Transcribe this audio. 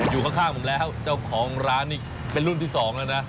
อยู่ข้างผมแล้วเจ้าของร้านนี่เป็นรุ่นที่สองแล้วนะ